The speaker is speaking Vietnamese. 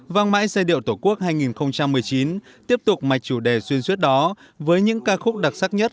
vang mãi giai điệu tổ quốc hai nghìn một mươi chín tiếp tục mạch chủ đề xuyên suốt đó với những ca khúc đặc sắc nhất